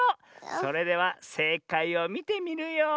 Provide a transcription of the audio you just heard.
それではせいかいをみてみるよ。